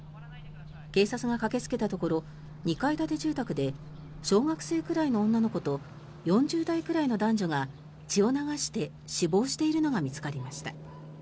警察が駆けつけたところ２階建て住宅で小学生くらいの女の子と４０代くらいの男女が血を流して死亡しているのが見つかりました。